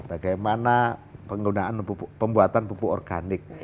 bagaimana penggunaan pembuatan pupuk organik